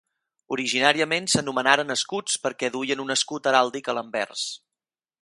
Originàriament s'anomenaren escuts perquè duien un escut heràldic a l'anvers.